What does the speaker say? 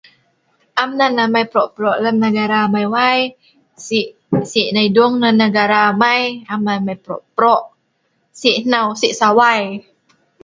Am nan amai pro'-pro' lem negara(Aweng) amai wai..si nai dung nah negara (Aweng)amai. Am amai pro'-pro'.Si Hnau si sawai